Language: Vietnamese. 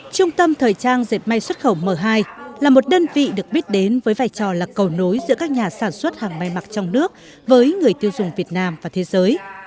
trung tâm thời trang dệt may xuất khẩu m hai là một đơn vị được biết đến với vai trò là cầu nối giữa các nhà sản xuất hàng may mặc trong nước với người tiêu dùng việt nam và thế giới